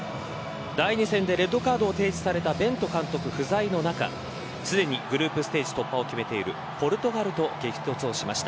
第２戦でレッドカードを提示されたベント監督不在の中すでにグループステージ突破を決めているポルトガルと激突をしました。